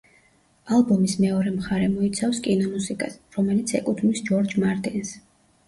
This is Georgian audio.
ალბომის მეორე მხარე მოიცავს კინომუსიკას, რომელიც ეკუთვნის ჯორჯ მარტინს.